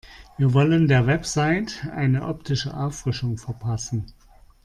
Wir wollen der Website eine optische Auffrischung verpassen.